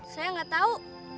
saya enggak tahu